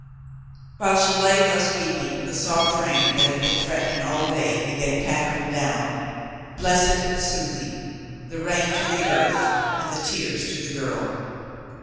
While she lay thus weeping, the soft rain that had been threatening all day began pattering down, blessed and soothing, the rain to the earth and the tears to the girl.